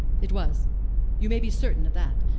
"It was. You may be certain of that.